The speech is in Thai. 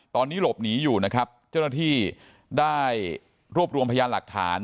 ตอนนี้หลบหนีอยู่นะครับเจ้าหน้าที่ได้รวบรวมพยานหลักฐาน